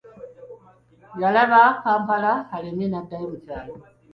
Yalaba Kampala alemye n'addayo mu kyalo.